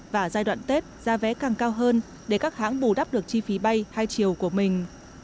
và giai đoạn tết giá vé càng cao hơn để các hãng bù đắp được chi phí bay hai chiều của mình